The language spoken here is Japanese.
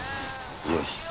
よし。